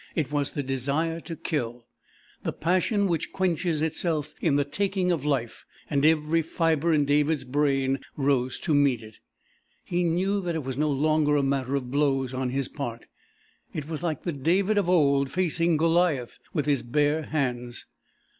It was the desire to kill. The passion which quenches itself in the taking of life, and every fibre in David's brain rose to meet it. He knew that it was no longer a matter of blows on his part it was like the David of old facing Goliath with his bare hands.